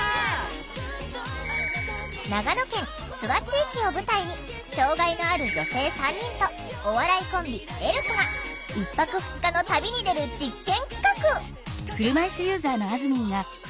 長野県諏訪地域を舞台に障害のある女性３人とお笑いコンビエルフが１泊２日の旅に出る実験企画！